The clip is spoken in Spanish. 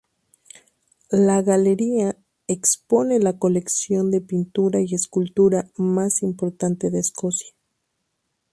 La galería expone la colección de pintura y escultura más importante de Escocia.